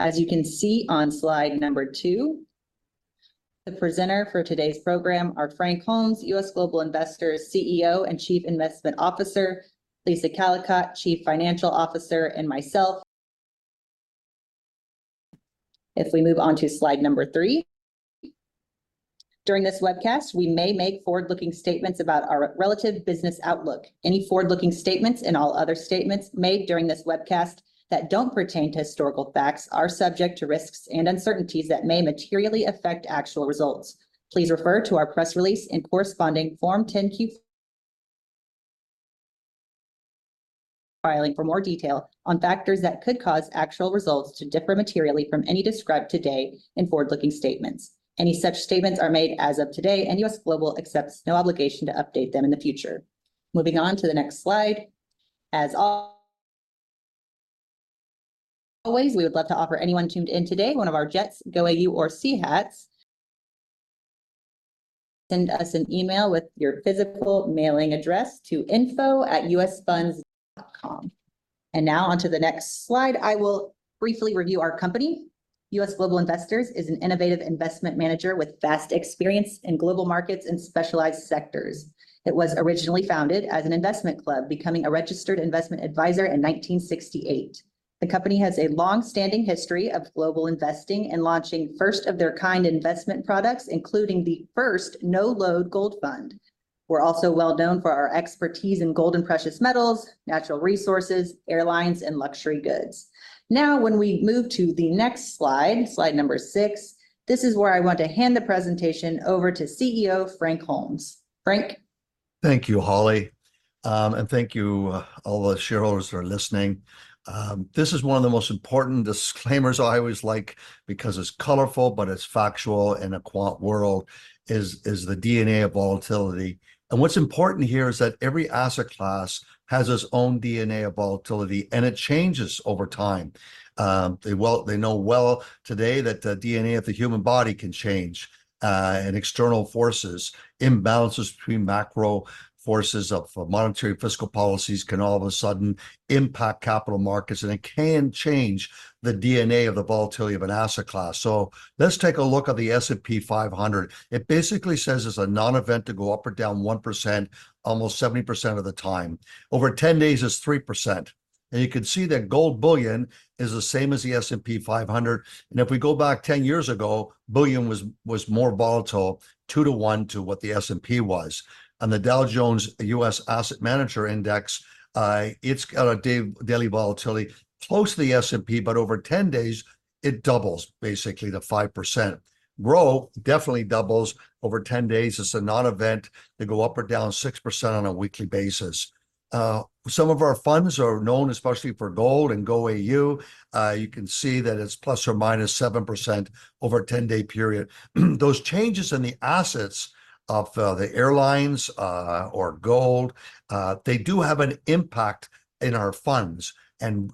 As you can see on slide number two, the presenters for today's program are Frank Holmes, U.S. Global Investors CEO and Chief Investment Officer, Lisa Callicotte, Chief Financial Officer, and myself. If we move on to slide number three. During this webcast, we may make forward-looking statements about our relative business outlook. Any forward-looking statements and all other statements made during this webcast that don't pertain to historical facts are subject to risks and uncertainties that may materially affect actual results. Please refer to our press release and corresponding Form 10-Q filing for more detail on factors that could cause actual results to differ materially from any described today in forward-looking statements. Any such statements are made as of today, and U.S. Global accepts no obligation to update them in the future. Moving on to the next slide. As always, we would love to offer anyone tuned in today one of our JETS, GOAU, or SEA hats. Send us an email with your physical mailing address to info@usfunds.com. Now, on to the next slide, I will briefly review our company. U.S. Global Investors is an innovative investment manager with vast experience in global markets and specialized sectors. It was originally founded as an investment club, becoming a registered investment adviser in 1968. The company has a long-standing history of global investing and launching first-of-their-kind investment products, including the first no-load gold fund. We're also well known for our expertise in gold and precious metals, natural resources, airlines, and luxury goods. Now, when we move to the next slide, slide number six, this is where I want to hand the presentation over to CEO Frank Holmes. Frank? Thank you, Holly, and thank you all the shareholders who are listening. This is one of the most important disclaimers I always like because it's colorful, but it's factual, in a quant world, is the DNA of volatility. And what's important here is that every asset class has its own DNA of volatility, and it changes over time. They know well today that the DNA of the human body can change, and external forces, imbalances between macro forces of monetary fiscal policies, can all of a sudden impact capital markets, and it can change the DNA of the volatility of an asset class. So let's take a look at the S&P 500. It basically says it's a non-event to go up or down 1% almost 70% of the time. Over 10 days, it's 3%, and you can see that gold bullion is the same as the S&P 500. If we go back 10 years ago, bullion was more volatile, 2-to-1 to what the S&P was. On the Dow Jones US Asset Manager Index, it's got a daily volatility close to the S&P, but over 10 days, it doubles, basically to 5%. Growth definitely doubles over 10 days. It's a non-event to go up or down 6% on a weekly basis. Some of our funds are known, especially for gold and GOAU. You can see that it's ±7% over a 10-day period. Those changes in the assets of the airlines or gold they do have an impact in our funds, and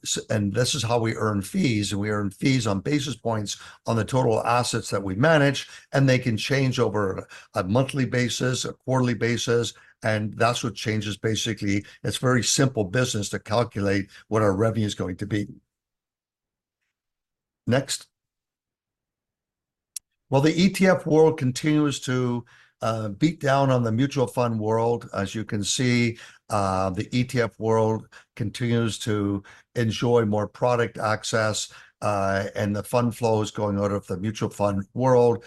this is how we earn fees, and we earn fees on basis points on the total assets that we manage, and they can change over a monthly basis, a quarterly basis, and that's what changes. Basically, it's very simple business to calculate what our revenue is going to be. Next. Well, the ETF world continues to beat down on the mutual fund world. As you can see, the ETF world continues to enjoy more product access, and the fund flow is going out of the mutual fund world.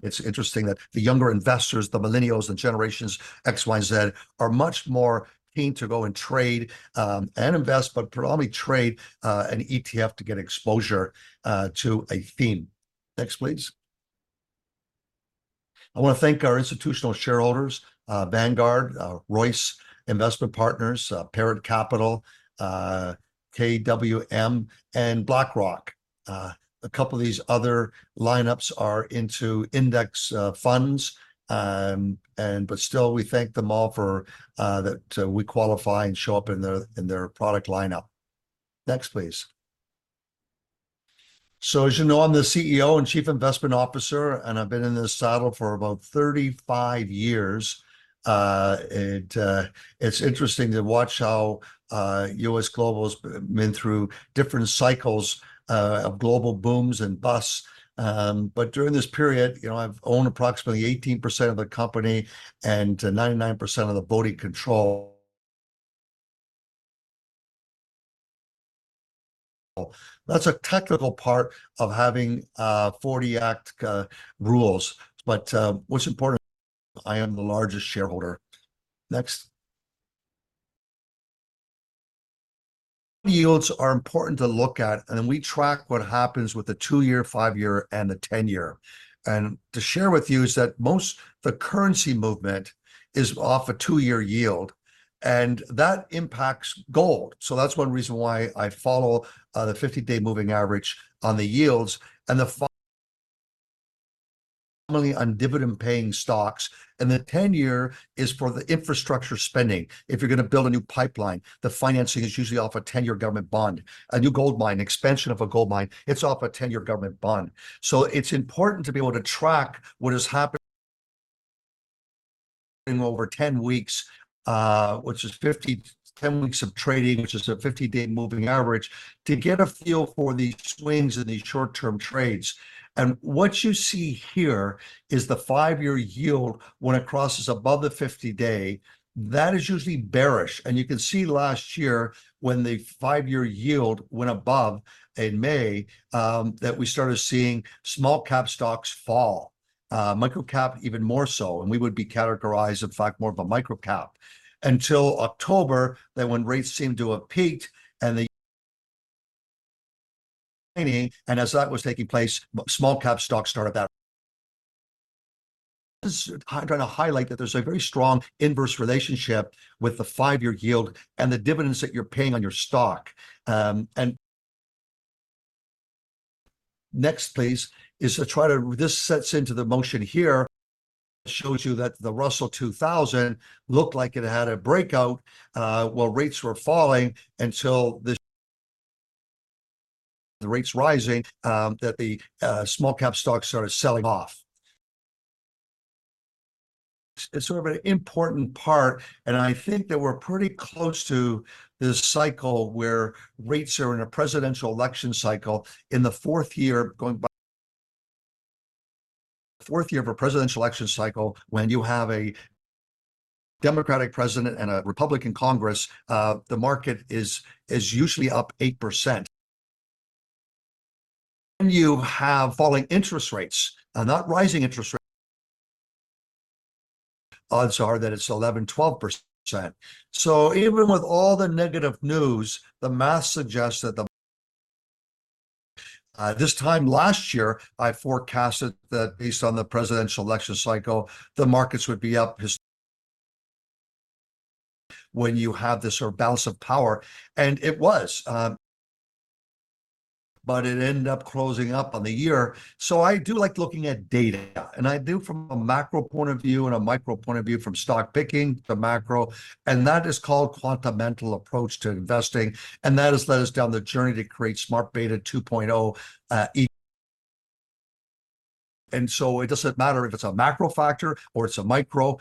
It's interesting that the younger investors, the millennials, the generations X, Y, and Z, are much more keen to go and trade and invest, but probably trade an ETF to get exposure to a theme. Next, please. I want to thank our institutional shareholders, Vanguard, Royce Investment Partners, Perritt Capital, KWM, and BlackRock. A couple of these other lineups are into index funds, and but still, we thank them all for that we qualify and show up in their product lineup. Next, please. So, as you know, I'm the CEO and Chief Investment Officer, and I've been in this title for about 35 years. It's interesting to watch how U.S. Global's been through different cycles of global booms and busts. But during this period, you know, I've owned approximately 18% of the company and 99% of the voting control. That's a technical part of having 40 Act rules. But, what's important, I am the largest shareholder. Next. Yields are important to look at, and we track what happens with the two-year, five-year, and the 10-year. And to share with you is that most, the currency movement is off a two-year yield, and that impacts gold. So that's one reason why I follow the 50-day moving average on the yields and mainly on dividend-paying stocks, and the 10-year is for the infrastructure spending. If you're gonna build a new pipeline, the financing is usually off a 10-year government bond. A new gold mine, expansion of a gold mine, it's off a 10-year government bond. So it's important to be able to track what is happening in over 10 weeks, which is 10 weeks of trading, which is a 50-Day Moving Average, to get a feel for these swings and these short-term trades. And what you see here is the five-year yield when it crosses above the 50-day, that is usually bearish. And you can see last year, when the five-year yield went above in May, that we started seeing small-cap stocks fall, micro-cap even more so, and we would be characterized, in fact, more of a micro-cap. Until October, then when rates seemed to have peaked and the training, and as that was taking place, small-cap stocks started out. I'm trying to highlight that there's a very strong inverse relationship with the five-year yield and the dividends that you're paying on your stock. Next, please, is to try to—this sets into the motion here, shows you that the Russell 2000 looked like it had a breakout while rates were falling, until the rates rising, that the small cap stocks started selling off. It's sort of an important part, and I think that we're pretty close to this cycle where rates are in a presidential election cycle. In the fourth year, going by fourth year of a presidential election cycle, when you have a Democratic President and a Republican Congress, the market is usually up 8%. When you have falling interest rates and not rising interest rates, odds are that it's 11%-12%. So even with all the negative news, the math suggests that. This time last year, I forecasted that based on the presidential election cycle, the markets would be up. When you have this sort of balance of power, and it was, but it ended up closing up on the year. So I do like looking at data, and I do from a macro point of view and a micro point of view, from stock picking to macro, and that is called Quantamental approach to investing, and that has led us down the journey to create Smart Beta 2.0 ETFs. And so it doesn't matter if it's a macro factor or it's a micro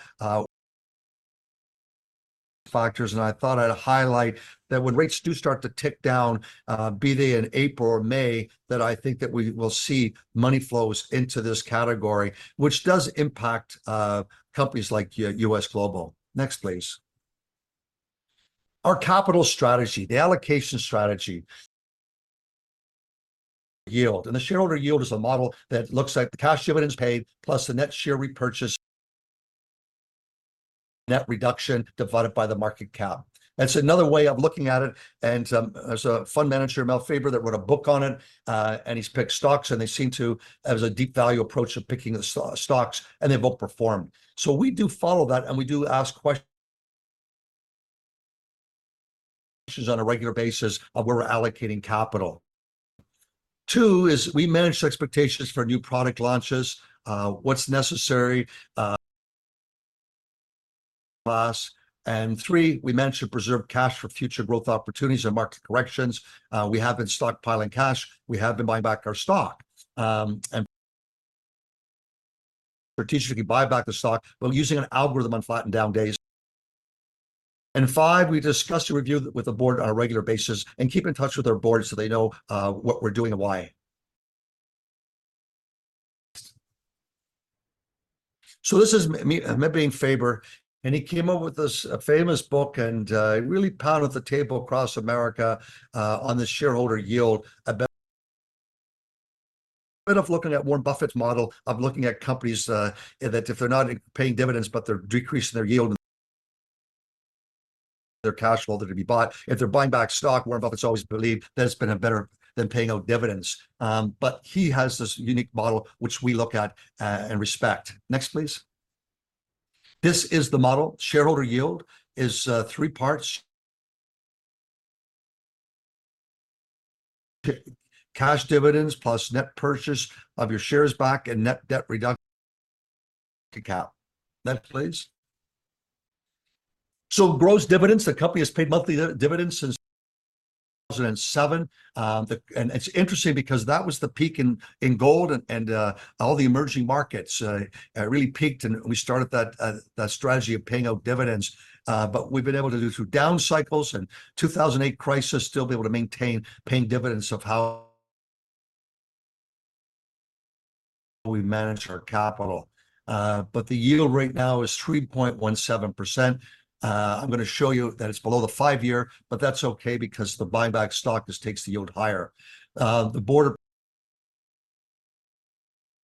factors, and I thought I'd highlight that when rates do start to tick down, be they in April or May, that I think that we will see money flows into this category, which does impact companies like U.S. Global. Next, please. Our capital strategy, the allocation strategy. Yield, and the shareholder yield is a model that looks at the cash dividends paid, plus the net share repurchase, net reduction, divided by the market cap. That's another way of looking at it, and there's a fund manager, Meb Faber, that wrote a book on it, and he's picked stocks, and they seem to... It was a deep value approach of picking the stocks, and they've outperformed. So we do follow that, and we do ask questions on a regular basis of where we're allocating capital. Two, is we manage the expectations for new product launches, what's necessary. And three, we manage to preserve cash for future growth opportunities and market corrections. We have been stockpiling cash. We have been buying back our stock. And strategically buy back the stock, but using an algorithm on flattened down days. And five, we discuss and review with the board on a regular basis and keep in touch with our board so they know what we're doing and why. So this is Meb Faber, and he came up with this famous book and really pounded the table across America on the shareholder yield about end up looking at Warren Buffett's model of looking at companies and that if they're not paying dividends, but they're decreasing their yield, their cash flow, they're to be bought. If they're buying back stock, Warren Buffett's always believed that it's been a better than paying out dividends. But he has this unique model, which we look at and respect. Next, please. This is the model, shareholder yield is three parts. Cash dividends plus net purchase of your shares back and net debt reduction cap. Next, please. So gross dividends, the company has paid monthly dividends since 2007. It's interesting because that was the peak in gold, and all the emerging markets really peaked, and we started that strategy of paying out dividends. But we've been able to do through down cycles and 2008 crisis, still be able to maintain paying dividends of how we manage our capital. But the yield right now is 3.17%. I'm gonna show you that it's below the five-year, but that's okay because the buying back stock just takes the yield higher.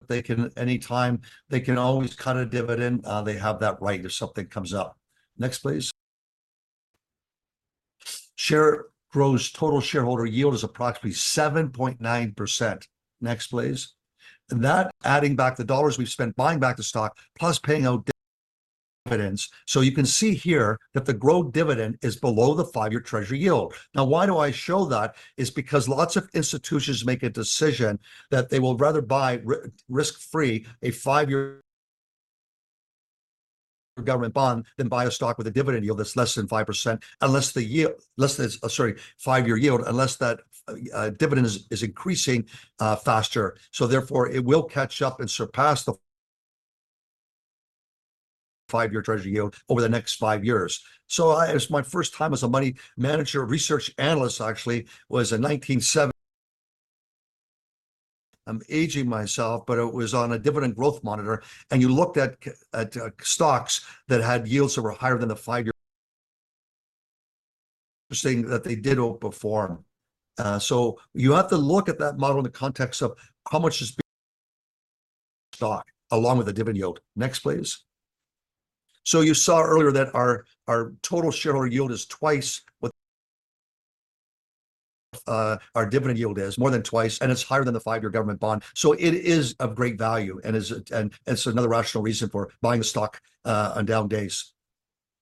They can, anytime, they can always cut a dividend, they have that right if something comes up. Next, please. Share, gross total shareholder yield is approximately 7.9%. Next, please. And that, adding back the dollars we've spent buying back the stock, plus paying out dividends. So you can see here that the growth dividend is below the five-year treasury yield. Now, why do I show that? Is because lots of institutions make a decision that they will rather buy risk-free a five-year government bond than buy a stock with a dividend yield that's less than 5%, unless the dividend is increasing faster. So therefore, it will catch up and surpass the five-year treasury yield over the next five years. So as my first time as a money manager, research analyst, actually, was in 1970. I'm aging myself, but it was on a dividend growth monitor, and you looked at stocks that had yields that were higher than the five-year, saying that they did outperform. So you have to look at that model in the context of how much is stock, along with the dividend yield. Next, please. So you saw earlier that our total Shareholder Yield is twice what our dividend yield is, more than twice, and it's higher than the five-year government bond. So it is of great value, and it's another rational reason for buying the stock on down days.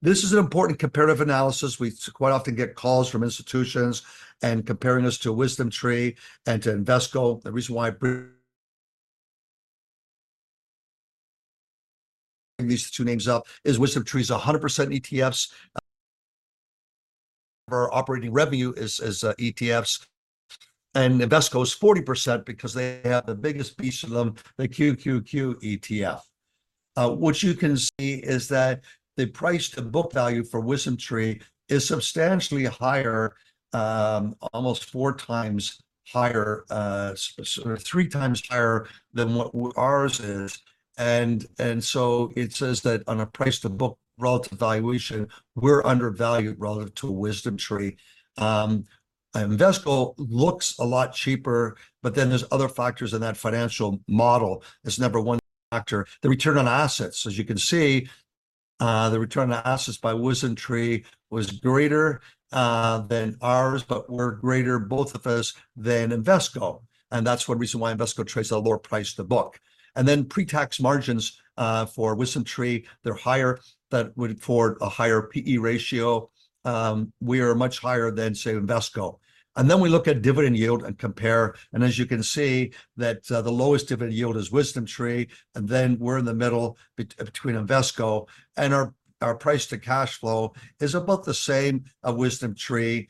This is an important comparative analysis. We quite often get calls from institutions and comparing us to WisdomTree and to Invesco. The reason why I bring these two names up is WisdomTree is 100% ETFs. Our operating revenue is ETFs, and Invesco is 40% because they have the biggest piece of them, the QQQ ETF. What you can see is that the price-to-book value for WisdomTree is substantially higher, almost four times higher, or three times higher than what ours is, and so it says that on a price-to-book relative valuation, we're undervalued relative to WisdomTree. And Invesco looks a lot cheaper, but then there's other factors in that financial model. This number one factor, the return on assets. As you can see, the return on assets by WisdomTree was greater than ours, but were greater, both of us, than Invesco. And that's one reason why Invesco trades at a lower price to book. And then pre-tax margins for WisdomTree, they're higher. That would afford a higher P/E ratio. We are much higher than, say, Invesco. And then we look at dividend yield and compare, and as you can see, that the lowest dividend yield is WisdomTree, and then we're in the middle between Invesco and our price to cash flow is about the same as WisdomTree.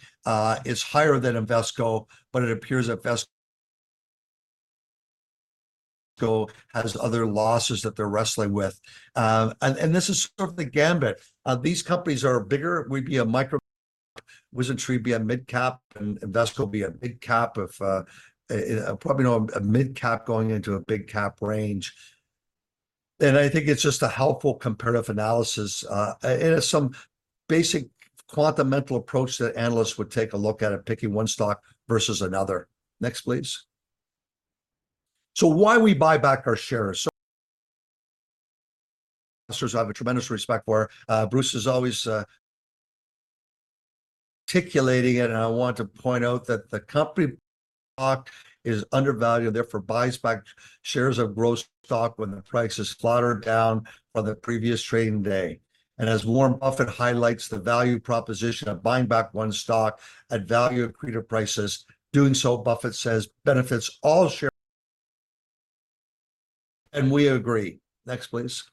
It's higher than Invesco, but it appears that Invesco has other losses that they're wrestling with. And this is sort of the gambit. These companies are bigger. We'd be a micro, WisdomTree would be a mid cap, and Invesco would be a big cap, a mid cap going into a big cap range. And I think it's just a helpful comparative analysis. It is some basic Quantamental approach that analysts would take a look at picking one stock versus another. Next, please. So why we buy back our shares? So, I have a tremendous respect for. Bruce is always articulating it, and I want to point out that the company stock is undervalued, therefore, buys back shares of GROW stock when the price is clobbered down on the previous trading day. And as Warren Buffett highlights the value proposition of buying back one's stock at value accretive prices, doing so, Buffett says, benefits all shareholders. And we agree. Next, please.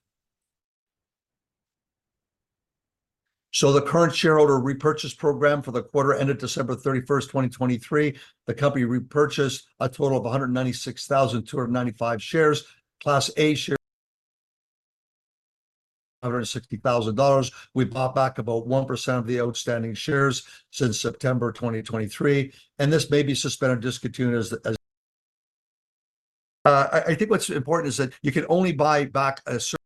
So the current shareholder repurchase program for the quarter ended December 31st, 2023, the company repurchased a total of 196,295 shares. Class A shares, $160,000. We bought back about 1% of the outstanding shares since September 2023, and this may be suspended or discontinued as, as... I think what's important is that you can only buy back a certain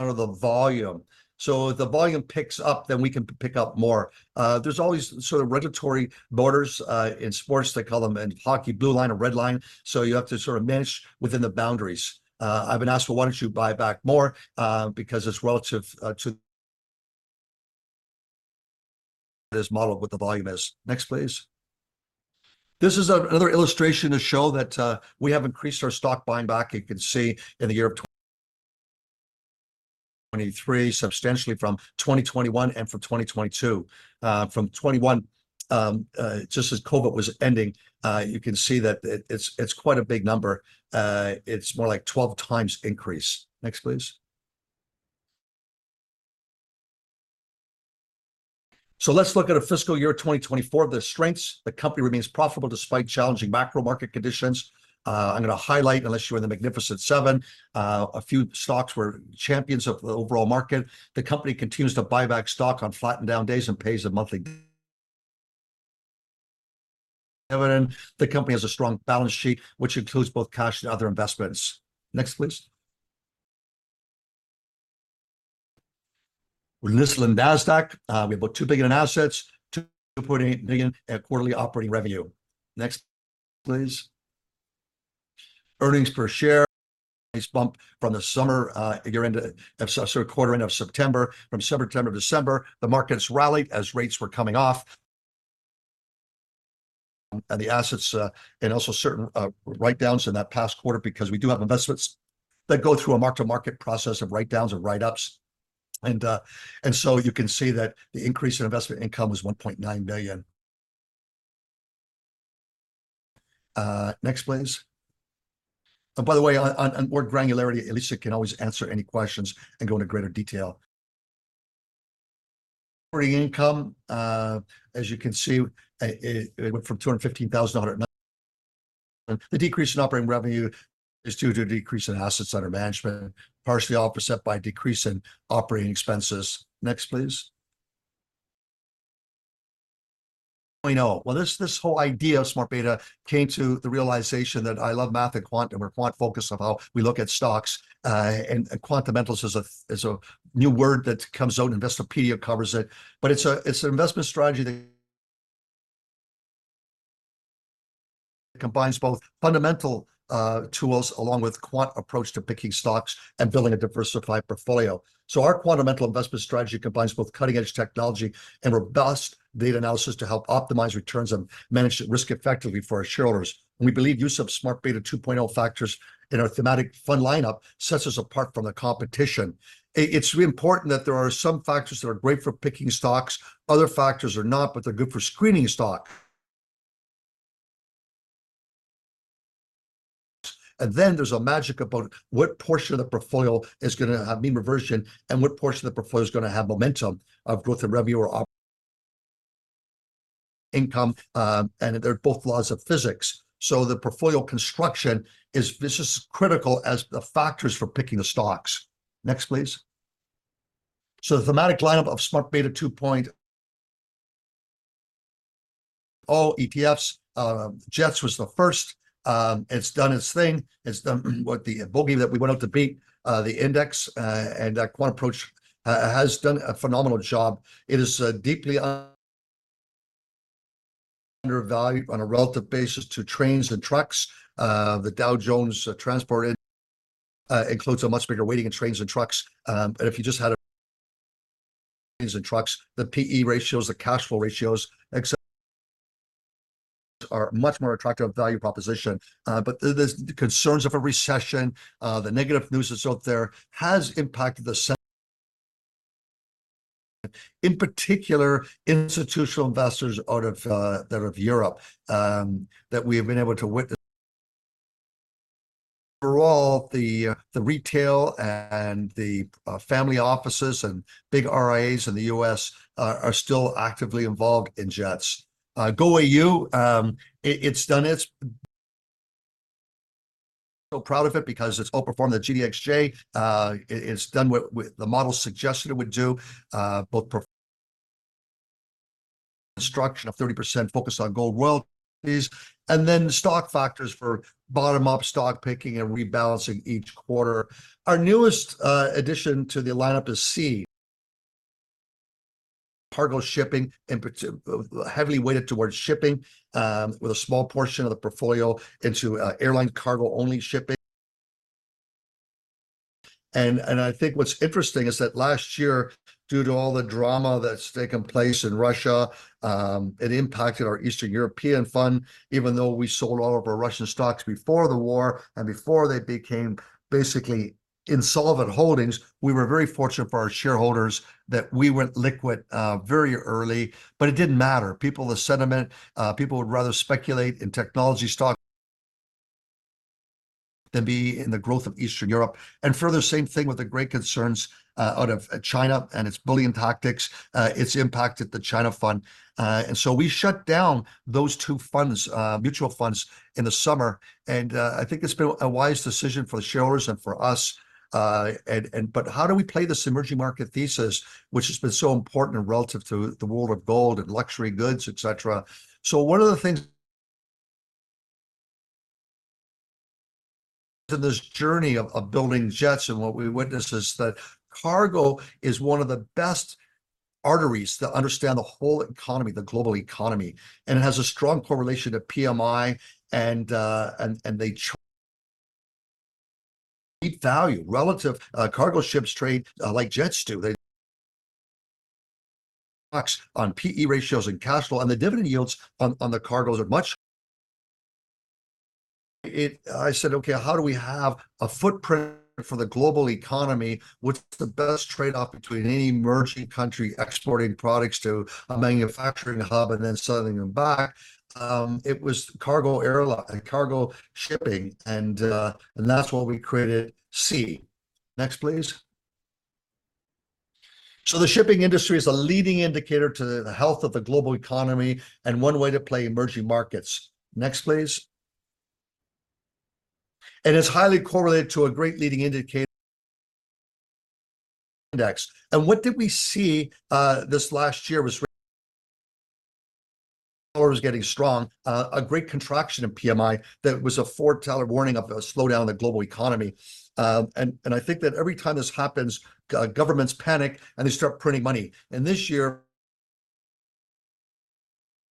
amount of the volume. So if the volume picks up, then we can pick up more. There's always sort of regulatory borders. In sports, they call them in hockey, blue line or red line. So you have to sort of manage within the boundaries. I've been asked, "Well, why don't you buy back more?" Because it's relative to this model, what the volume is. Next, please. This is another illustration to show that we have increased our stock buying back. You can see in the year of 2023, substantially from 2021 and from 2022. From 2021, just as COVID was ending, you can see that it's quite a big number. It's more like 12 times increase. Next, please. So let's look at a fiscal year 2024. The strengths. The company remains profitable despite challenging macro market conditions. I'm gonna highlight, unless you were in the Magnificent Seven, a few stocks were champions of the overall market. The company continues to buy back stock on flat and down days and pays a monthly dividend. The company has a strong balance sheet, which includes both cash and other investments. Next, please. We're listed in Nasdaq. We have about $2 billion in assets, $2.8 million in quarterly operating revenue. Next, please. Earnings per share, nice bump from the summer, so quarter end of September. From September, December, the markets rallied as rates were coming off, and the assets, and also certain write-downs in that past quarter, because we do have investments that go through a mark-to-market process of write-downs and write-ups. So you can see that the increase in investment income was $1.9 billion. Next, please. And by the way, on more granularity, Lisa can always answer any questions and go into greater detail. Operating income, as you can see, it went from $215,000 to $109,000. The decrease in operating revenue is due to a decrease in assets under management, partially offset by a decrease in operating expenses. Next, please. We know. Well, this, this whole idea of smart beta came to the realization that I love math and quant, and we're quant-focused of how we look at stocks. And quantamental is a, is a new word that comes out, Investopedia covers it, but it's a, it's an investment strategy that combines both fundamental tools along with quant approach to picking stocks and building a diversified portfolio. So our quantamental investment strategy combines both cutting-edge technology and robust data analysis to help optimize returns and manage risk effectively for our shareholders. And we believe use of Smart Beta 2.0 factors in our thematic fund lineup sets us apart from the competition. It, it's important that there are some factors that are great for picking stocks, other factors are not, but they're good for screening stock. Then there's a magic about what portion of the portfolio is gonna have mean reversion and what portion of the portfolio is gonna have momentum of growth in revenue or op income. And they're both laws of physics, so the portfolio construction is just as critical as the factors for picking the stocks. Next, please. The thematic lineup of Smart Beta 2.0 ETFs, JETS was the first. It's done its thing. It's done what the bogey that we went out to beat, the index, and that quant approach has done a phenomenal job. It is deeply undervalued on a relative basis to trains and trucks. The Dow Jones Transport includes a much bigger weighting in trains and trucks. And if you just had trains and trucks, the PE ratios, the cash flow ratios, et cetera, are a much more attractive value proposition. But there's the concerns of a recession, the negative news that's out there has impacted. In particular, institutional investors out of, out of Europe, that we have been able to witness. For all, the, the retail and the, family offices and big RIAs in the U.S. are, are still actively involved in JETS. GOAU, it, it's done its. So proud of it because it's outperformed the GDXJ. It, it's done what, what the model suggested it would do, both pro- construction of 30% focused on gold royalties, and then stock factors for bottom-up stock picking and rebalancing each quarter. Our newest, addition to the lineup is SEA. Cargo shipping, and heavily weighted towards shipping, with a small portion of the portfolio into airline cargo-only shipping. And I think what's interesting is that last year, due to all the drama that's taken place in Russia, it impacted our Eastern European fund, even though we sold all of our Russian stocks before the war and before they became basically insolvent holdings. We were very fortunate for our shareholders that we went liquid very early, but it didn't matter. People, the sentiment, people would rather speculate in technology stock than be in the growth of Eastern Europe. And further, same thing with the great concerns out of China and its bullying tactics. It's impacted the China fund. and so we shut down those two funds, mutual funds in the summer, and I think it's been a wise decision for the shareholders and for us. But how do we play this emerging market thesis, which has been so important and relative to the world of gold and luxury goods, et cetera? So one of the things to this journey of building jets and what we witnessed is that cargo is one of the best arteries to understand the whole economy, the global economy, and it has a strong correlation to PMI, and they deep value. Relative, cargo ships trade, like jets do. They on PE ratios and cash flow, and the dividend yields on the cargos are much. It, I said, "Okay, how do we have a footprint for the global economy? What's the best trade-off between any emerging country exporting products to a manufacturing hub and then selling them back?" It was cargo airline and cargo shipping, and that's why we created Sea. Next, please. So the shipping industry is a leading indicator to the health of the global economy and one way to play emerging markets. Next, please. It is highly correlated to a great leading indicator index. And what did we see this last year was getting strong, a great contraction in PMI that was a foreteller warning of a slowdown in the global economy. And I think that every time this happens, governments panic, and they start printing money. And this year,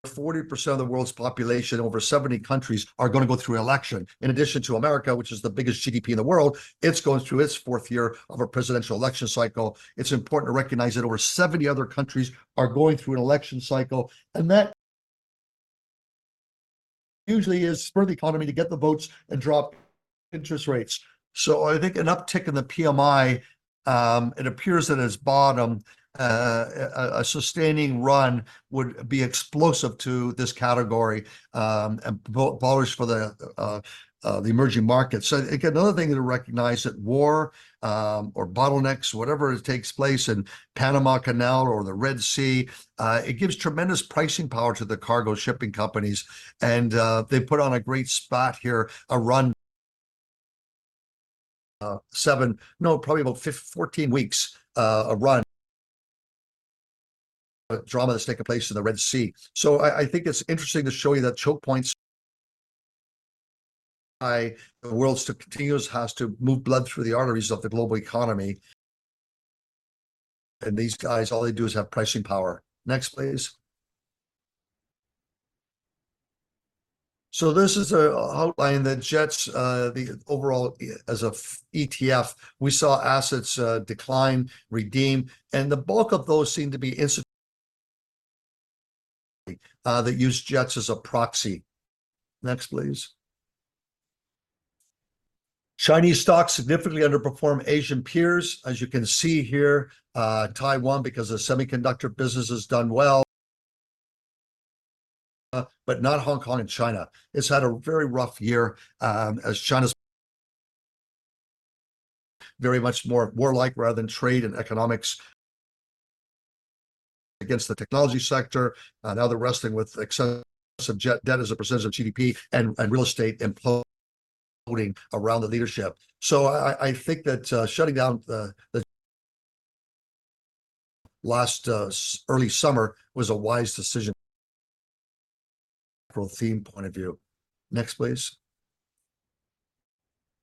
40% of the world's population, over 70 countries, are gonna go through election. In addition to America, which is the biggest GDP in the world, it's going through its fourth year of a presidential election cycle. It's important to recognize that over 70 other countries are going through an election cycle, and that usually is for the economy to get the votes and drop interest rates. So I think an uptick in the PMI, it appears at its bottom, a sustaining run would be explosive to this category, and pro-bullish for the emerging markets. So again, another thing to recognize that war or bottlenecks, whatever takes place in Panama Canal or the Red Sea, it gives tremendous pricing power to the cargo shipping companies. And they put on a great spot here, a run, probably about 14 weeks, a run. Drama that's taking place in the Red Sea. So I think it's interesting to show you that choke points, by the world still continues, has to move blood through the arteries of the global economy. And these guys, all they do is have pricing power. Next, please. So this is an outline that JETS, the overall, as an ETF, we saw assets decline, redeem, and the bulk of those seem to be institutional that use JETS as a proxy. Next, please. Chinese stocks significantly underperform Asian peers, as you can see here, Taiwan, because the semiconductor business has done well, but not Hong Kong and China. It's had a very rough year, as China's very much more war-like rather than trade and economics. Against the technology sector, now they're wrestling with excess debt as a percentage of GDP and real estate imploding around the leadership. So I think that shutting down the last early summer was a wise decision theme point of view. Next, please.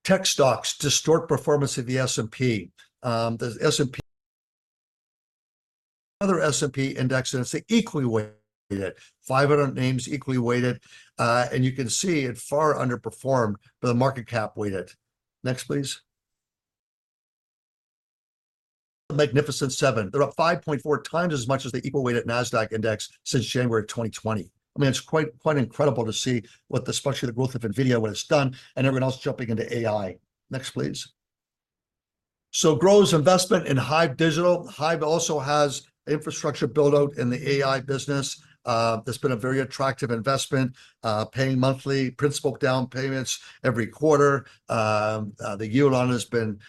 Tech stocks distort performance of the S&P. The S&P, the other S&P index, and it's equally weighted. 500 names, equally weighted, and you can see it far underperformed, but the market cap weighted. Next, please. Magnificent Seven. They're up 5.4 times as much as the equal weighted Nasdaq index since January of 2020. I mean, it's quite, quite incredible to see what the, especially the growth of NVIDIA, what it's done, and everyone else jumping into AI. Next, please. So Grow's investment in HIVE Digital. HIVE also has infrastructure build-out in the AI business. It's been a very attractive investment, paying monthly principal down payments every quarter. The yield on has been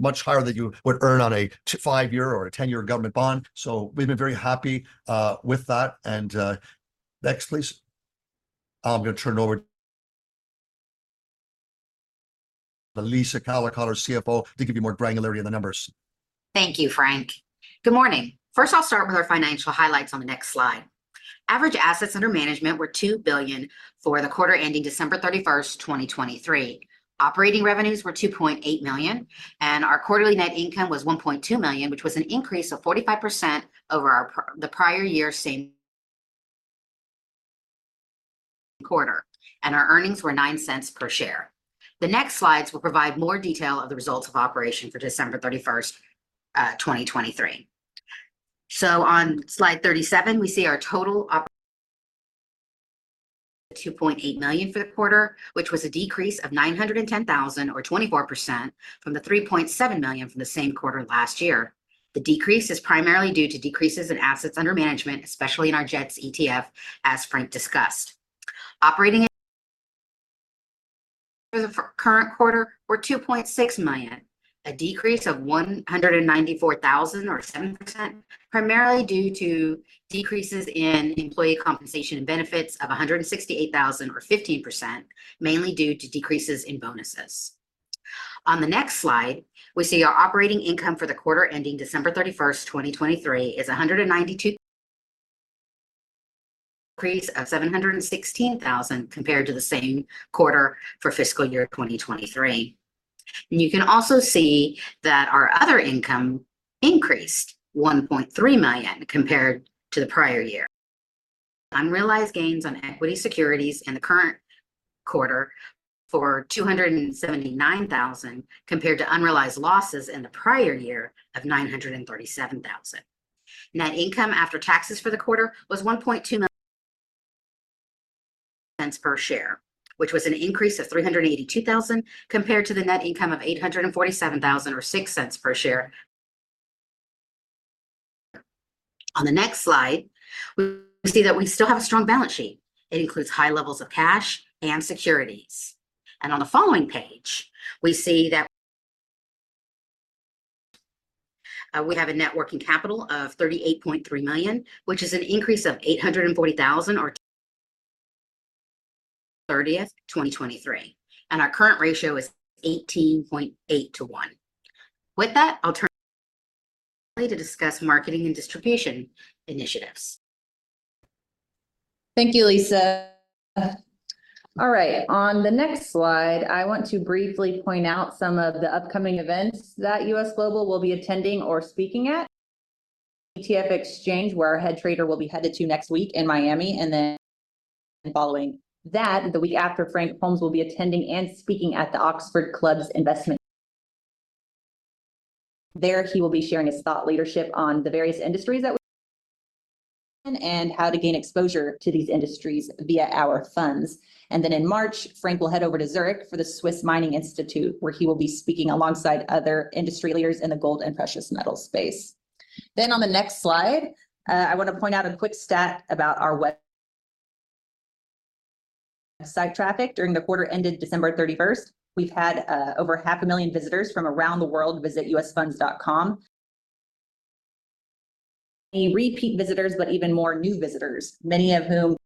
much higher than you would earn on a five-year or a 10-year government bond. So we've been very happy with that. Next, please. I'm going to turn it over to Lisa Callicotte, our CFO, to give you more granularity in the numbers. Thank you, Frank. Good morning. First, I'll start with our financial highlights on the next slide. Average assets under management were $2 billion for the quarter ending December 31st, 2023. Operating revenues were $2.8 million, and our quarterly net income was $1.2 million, which was an increase of 45% over the prior year same quarter, and our earnings were $0.09 per share. The next slides will provide more detail of the results of operation for December 31, 2023. So on slide 37, we see our total $2.8 million for the quarter, which was a decrease of $910,000 or 24% from the $3.7 million from the same quarter last year. The decrease is primarily due to decreases in assets under management, especially in our JETS ETF, as Frank discussed. Operating expenses for the current quarter were $2.6 million, a decrease of $194,000 or 7%, primarily due to decreases in employee compensation and benefits of $168,000 or 15%, mainly due to decreases in bonuses. On the next slide, we see our operating income for the quarter ending December 31st, 2023 is a $192,000 increase of $716,000 compared to the same quarter for fiscal year 2023. You can also see that our other income increased $1.3 million compared to the prior year. Unrealized gains on equity securities in the current quarter for $279,000, compared to unrealized losses in the prior year of $937,000. Net income after taxes for the quarter was $1.2 million, 12 cents per share, which was an increase of $382,000, compared to the net income of $847,000 or 6 cents per share. On the next slide, we see that we still have a strong balance sheet. It includes high levels of cash and securities. On the following page, we see that we have a net working capital of $38.3 million, which is an increase of $840,000 over [March] 30th, 2023, and our current ratio is 18.8 to 1. With that, I'll turn to discuss marketing and distribution initiatives. Thank you, Lisa. All right, on the next slide, I want to briefly point out some of the upcoming events that U.S. Global will be attending or speaking at. ETF Exchange, where our head trader will be headed to next week in Miami, and then following that, the week after, Frank Holmes will be attending and speaking at the Oxford Club's Investment. There, he will be sharing his thought leadership on the various industries and how to gain exposure to these industries via our funds. In March, Frank will head over to Zurich for the Swiss Mining Institute, where he will be speaking alongside other industry leaders in the gold and precious metal space. On the next slide, I want to point out a quick stat about our website traffic during the quarter ended December 31st. We've had over half a million visitors from around the world visit usfunds.com. Our repeat visitors, but even more new visitors, many of whom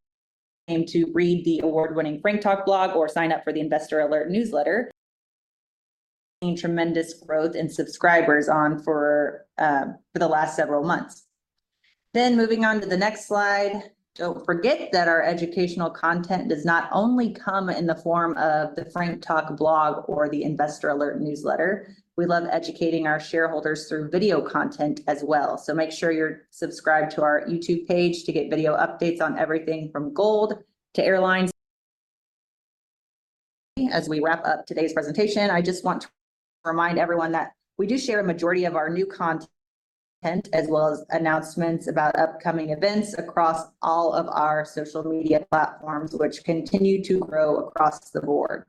came to read the award-winning Frank Talk blog or sign up for the Investor Alert newsletter. Seeing tremendous growth in subscribers for the last several months. Then moving on to the next slide, don't forget that our educational content does not only come in the form of the Frank Talk blog or the Investor Alert newsletter. We love educating our shareholders through video content as well. So make sure you're subscribed to our YouTube page to get video updates on everything from gold to airlines. As we wrap up today's presentation, I just want to remind everyone that we do share a majority of our new content, as well as announcements about upcoming events across all of our social media platforms, which continue to grow across the board.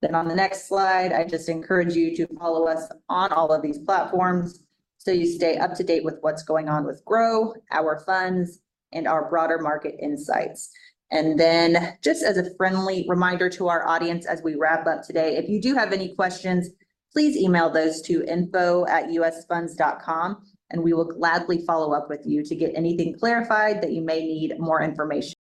Then on the next slide, I just encourage you to follow us on all of these platforms, so you stay up to date with what's going on with Grow, our funds, and our broader market insights. And then, just as a friendly reminder to our audience as we wrap up today, if you do have any questions, please email those to info@usfunds.com, and we will gladly follow up with you to get anything clarified that you may need more information.